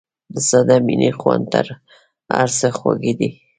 د ساده مینې خوند تر هر څه خوږ دی.